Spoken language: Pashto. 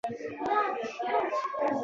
ژبنۍ وړتیا د هوښیارتیا اړونده پدیده ګڼل کېږي